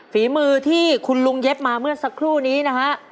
ฝีมือที่คุณลุงเย็บมาเมื่อสักครู่นี้นะฮะ